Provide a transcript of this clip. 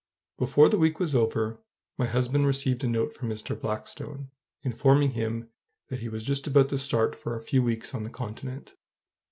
Before the week was over, my husband received a note from Mr. Blackstone, informing him that he was just about to start for a few weeks on the Continent.